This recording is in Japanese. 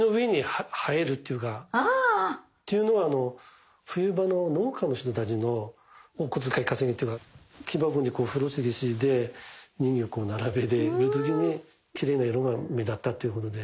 あ！というのは冬場の農家の人たちのお小遣い稼ぎっていうか木箱に風呂敷敷いて人形を並べてる時にキレイな色が目立ったということで。